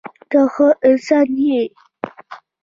ته ښه انسان یې.